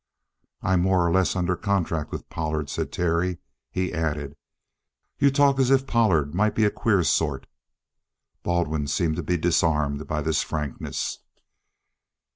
"I'm more or less under contract with Pollard," said Terry. He added: "You talk as if Pollard might be a queer sort." Baldwin seemed to be disarmed by this frankness.